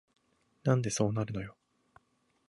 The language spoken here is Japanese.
なんでそうなるのよ